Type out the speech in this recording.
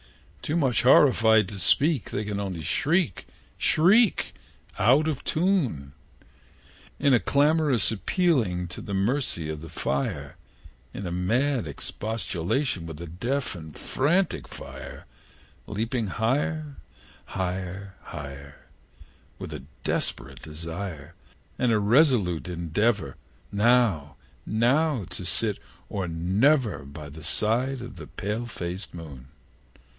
Too much horrified to speak, They can only shriek, shriek, Out of tune, In a clamorous appealing to the mercy of the fire, In a mad expostulation with the deaf and frantic fire Leaping higher, higher, higher, With a desperate desire, And a resolute endeavor Now now to sit or never, By the side of the pale faced moon.